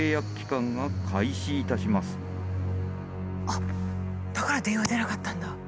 あっだから電話出なかったんだ。